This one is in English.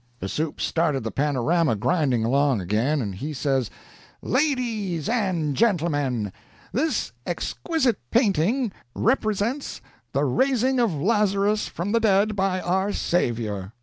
The supes started the panorama grinding along again, and he says: "'Ladies and gentlemen, this exquisite painting represents the raising of Lazarus from the dead by our Saviour.